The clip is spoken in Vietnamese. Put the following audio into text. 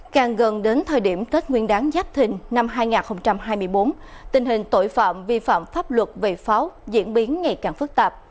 càng gần đến thời điểm tết nguyên đáng giáp thình năm hai nghìn hai mươi bốn tình hình tội phạm vi phạm pháp luật về pháo diễn biến ngày càng phức tạp